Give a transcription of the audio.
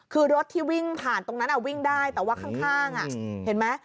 คือรถที่วิ่งผ่านตรงนั้นวิ่งได้แต่ว่าข้างเห็นไหม